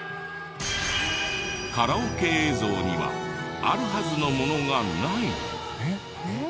カラオケ映像にはあるはずのものがない。